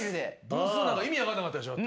分数なんか意味分かんなかったでしょ？